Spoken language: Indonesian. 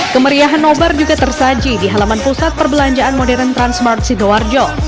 kemeriahan nobar juga tersaji di halaman pusat perbelanjaan modern transmart sidoarjo